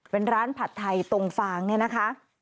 เป็นร้านผัดไทยตรงฟางเนี่ยนะคะ